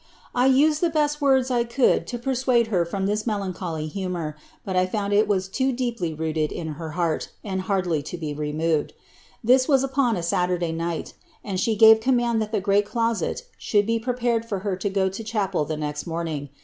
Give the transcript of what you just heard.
I used the best words I could to pecmade her from this melancholy humour, but I found it was too deep rooted in her heart, and hardly to be removed. This was upon a Satur day night, and she gave command that the great closet should be pre pared for her to go to chapel the next morning.